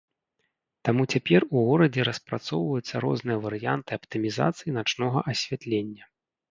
Таму цяпер у горадзе распрацоўваюцца розныя варыянты аптымізацыі начнога асвятлення.